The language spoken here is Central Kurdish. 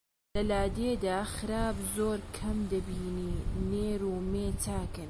لە لادێدا خراب زۆر کەم دەبینی نێر و مێ چاکن